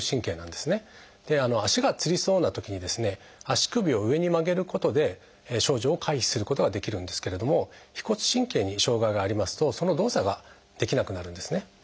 足首を上に曲げることで症状を回避することができるんですけれども腓骨神経に障害がありますとその動作ができなくなるんですね。